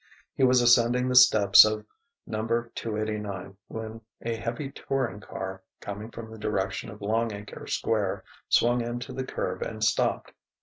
He was ascending the steps of Number 289 when a heavy touring car, coming from the direction of Longacre Square, swung in to the curb and stopped.